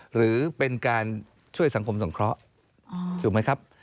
หรือเป็นการช่วยสังคมสงเคราะห์ถูกไหมครับ